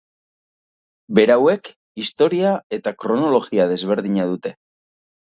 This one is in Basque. Berauek historia eta kronologia desberdina dute.